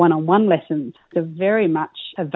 dan mereka berada di semua tahap